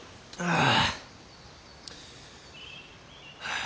ああ。